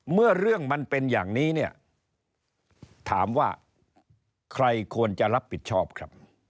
เมื่อเรื่องมันเป็นอย่างนี้เนี่ยถามว่าใครควรจะรับผิดชอบครับ